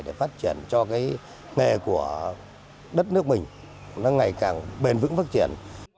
để phát triển cho cái nghề của đất nước mình nó ngày càng bền vững phát triển